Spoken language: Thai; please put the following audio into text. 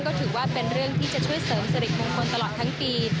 ก็ถือว่าเป็นเรื่องที่จะช่วยเสริมสิริมงคลตลอดทั้งปี